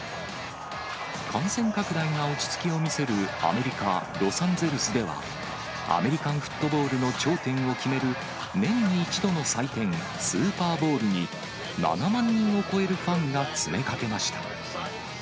感染拡大が落ち着きを見せるアメリカ・ロサンゼルスでは、アメリカンフットボールの頂点を決める、年に１度の祭典、スーパーボウルに、７万人を超えるファンが詰めかけました。